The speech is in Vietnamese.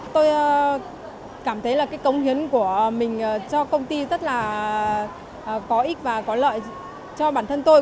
tôi cảm thấy là cái công hiến của mình cho công ty rất là có ích và có lợi cho bản thân tôi